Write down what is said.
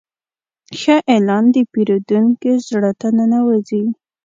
ښه اعلان د پیرودونکي زړه ته ننوځي.